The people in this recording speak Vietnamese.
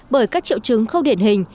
bởi các triệu chứng không điển hình